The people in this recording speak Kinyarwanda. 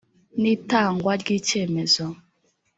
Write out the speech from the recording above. n itangwa ry icyemezo